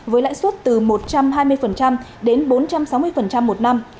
với lãi suất từ một trăm hai mươi đến bốn trăm sáu mươi một năm